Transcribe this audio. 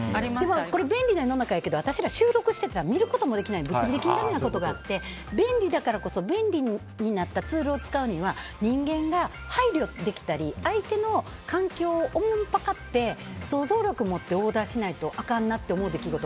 便利な世の中やけど収録してから見ることもできない物理的にだめな時があって便利だからこそ便利になったツールを使うには人間が配慮できたり相手の環境をおもんぱかって想像力をもってオーダーしないとあかんなって出来事